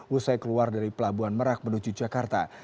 usai keluar dari pelabuhan merak menuju jakarta